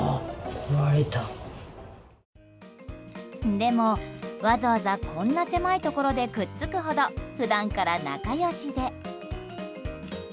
でも、わざわざこんな狭いところでくっつくほど普段から仲良しで。